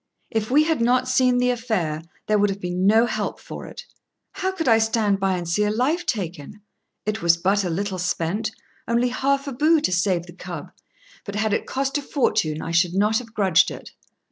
If we had not seen the affair, there would have been no help for it. How could I stand by and see life taken? It was but a little I spent only half a bu to save the cub, but had it cost a fortune I should not have grudged it.